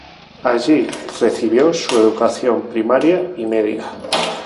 Allí recibió su educación primaria y media.